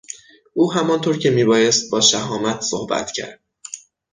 او همان طور که میبایست با شهامت صحبت کرد.